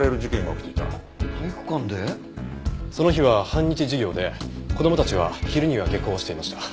その日は半日授業で子供たちは昼には下校していました。